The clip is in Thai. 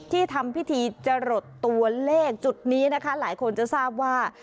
ที่ทำพิธีจรดตัวเลขจุดนี้นะคะหลายคนจะทราบว่า